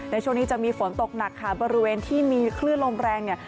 ในช่วงนี้จะมีฝนตกหนักค่ะบริเวณที่มีคลื่นลมแรงเนี่ย